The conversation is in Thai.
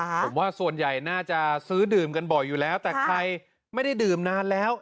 ผมว่าส่วนใหญ่น่าจะซื้อดื่มกันบ่อยอยู่แล้วแต่ใครไม่ได้ดื่มนานแล้ว